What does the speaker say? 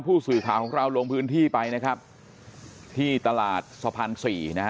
ผู้สื่อข่าวของเราลงพื้นที่ไปนะครับที่ตลาดสะพานสี่นะฮะ